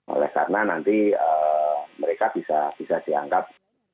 oleh karena nanti mereka bisa dianggap